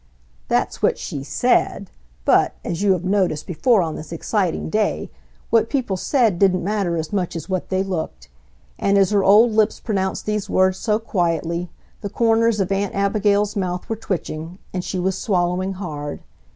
That's what she SAID, but, as you have noticed before on this exciting day, what people said didn't matter as much as what they looked; and as her old lips pronounced these words so quietly the corners of Aunt Abigail's mouth were twitching, and she was swallowing hard.